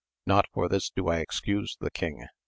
Not for this do I excuse the king